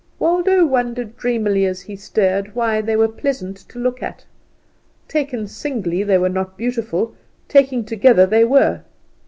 Waldo wondered dreamily as he stared why they were pleasant to look at. Taken singly they were not beautiful; taken together they were.